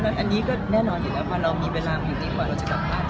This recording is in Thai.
อันนี้ก็แน่นอนเห็นแล้วค่ะเรามีเวลาอยู่ดีกว่าเราจะกลับภาค